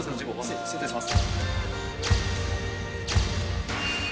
失礼します。